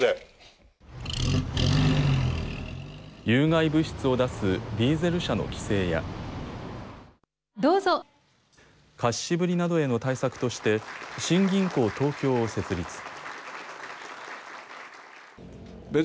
有害物質を出すディーゼル車の規制や貸し渋りなどへの対策として新銀行東京を設立。